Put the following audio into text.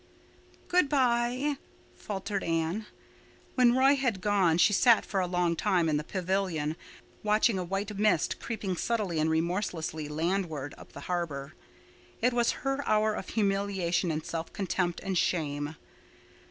"Good bye," faltered Anne. When Roy had gone she sat for a long time in the pavilion, watching a white mist creeping subtly and remorselessly landward up the harbor. It was her hour of humiliation and self contempt and shame.